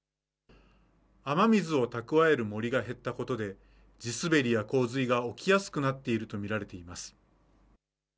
雨水を蓄える森が減ったことで、地滑りや洪水が起きやすくなっていると見られます。